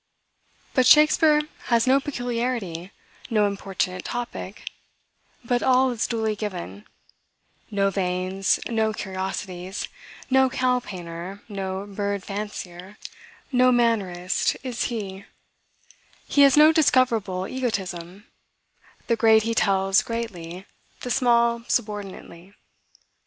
But Shakspeare has no peculiarity, no importunate topic; but all is duly given; no veins, no curiosities: no cow painter, no bird fancier, no mannerist is he: he has no discoverable egotism: the great he tells greatly; the small subordinately.